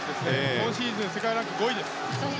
今シーズン世界ランキング５位です。